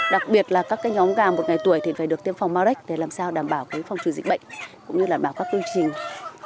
đặc biệt là các nhóm gà một ngày tuổi thì phải được tiêm phòng maurect để làm sao đảm bảo phòng trừ dịch bệnh cũng như đảm bảo các quy trình